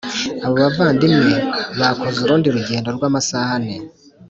Abo Bavandimwe bakoze urundi rugendo rw amasaha ane